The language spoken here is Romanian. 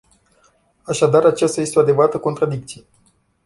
Așadar, aceasta este o adevărată contradicție.